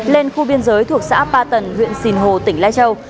lên khu biên giới thuộc xã ba tần huyện sìn hồ tỉnh lai châu